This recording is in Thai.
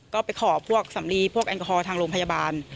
ก็ไปขอพวกสำลีพวกแอลกอฮอล์ทางโรงพยาบาล